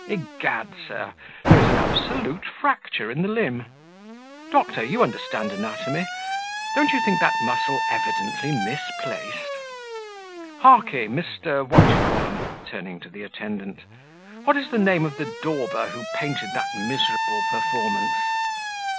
egad, sir! There is an absolute fracture in the limb. Doctor, you understand anatomy: don't you think that muscle evidently misplaced? Hark ye, Mr. what d'ye call um (turning to the attendant), what is the name of the dauber who painted that miserable performance?"